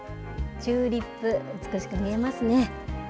チューリップ美しく見えますね。